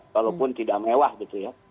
walaupun tidak mewah gitu ya